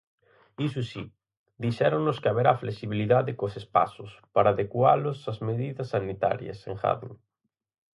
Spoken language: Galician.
Iso si, "dixéronnos que haberá flexibilidade cos espazos, para adecualos ás medidas sanitarias", engaden.